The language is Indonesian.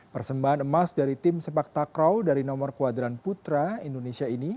persembahan emas dari tim sepak takraw dari nomor kuadran putra indonesia ini